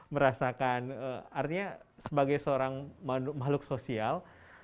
merasakan artinya sebagai seorang makhluk sosial